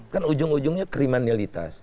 kan ujung ujungnya kriminalitas